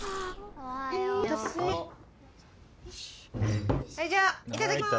ほんじゃいただきます。